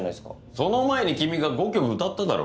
その前に君が５曲歌っただろ。